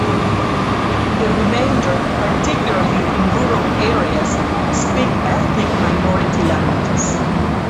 The remainder, particularly in rural areas, speak ethnic minority languages.